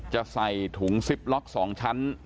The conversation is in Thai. จะใส่ถุงซิปล็อก๒ชั้น